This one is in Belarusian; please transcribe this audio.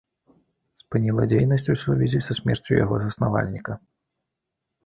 Спыніла дзейнасць у сувязі са смерцю яго заснавальніка.